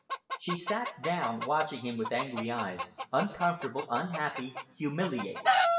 She sat down, watching him with angry eyes, uncomfortable, unhappy, humiliated.